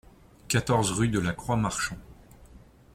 quatorze rue de la Croix Marchon